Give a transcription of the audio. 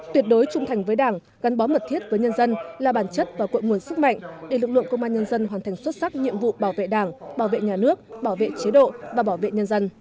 tuyệt đối trung thành với đảng gắn bó mật thiết với nhân dân là bản chất và cội nguồn sức mạnh để lực lượng công an nhân dân hoàn thành xuất sắc nhiệm vụ bảo vệ đảng bảo vệ nhà nước bảo vệ chế độ và bảo vệ nhân dân